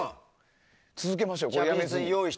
続けましょう、これ。